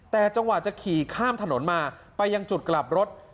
แต่จังหวะจะขี่ข้ามถนนมาไปยังจุดกลับรถ